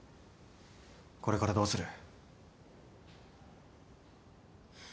これからどうする。